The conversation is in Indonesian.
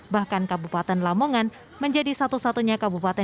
bahkan kabupaten lamongan menjadi satu satunya kabupaten